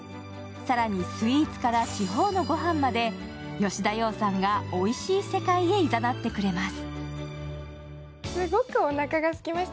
更に、スイーツから地方のご飯まで吉田羊さんがおいしい世界へ誘ってくれます。